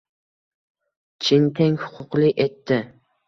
Chin, teng huquqli etdi.